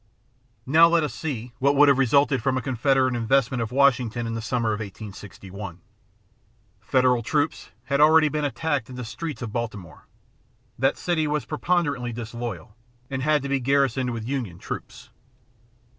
Now let us see what would have resulted from a Confederate investment of Washington in the summer of 1861. Federal troops had already been attacked in the streets of Baltimore. That city was preponderantly disloyal, and had to be garrisoned with Union troops.